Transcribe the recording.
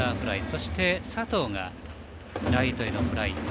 そして佐藤がライトへのフライ。